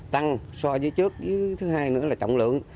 tăng so với trước thứ hai nữa là trọng lượng